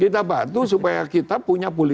kita bantu supaya kita punya